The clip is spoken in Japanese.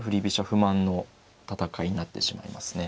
不満の戦いになってしまいますね。